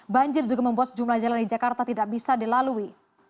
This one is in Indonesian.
banjir juga membuat sejumlah jalan di jakarta tidak bisa dilalui